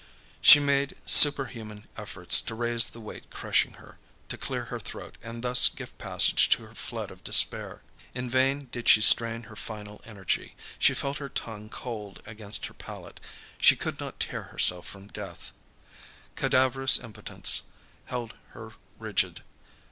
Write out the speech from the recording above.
She made superhuman efforts to raise the weight crushing her, to clear her throat and thus give passage to her flood of despair. In vain did she strain her final energy; she felt her tongue cold against her palate, she could not tear herself from death. Cadaverous impotence held her rigid.